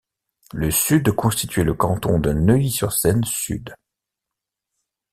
Le sud constituait le canton de Neuilly-sur-Seine-Sud.